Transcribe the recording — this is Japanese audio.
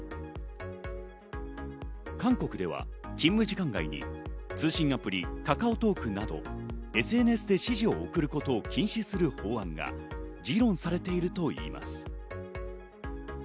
韓国では勤務時間外に通信アプリ、カカオトークなどＳＮＳで指示を送ることを禁止する法律が議論されているといいます。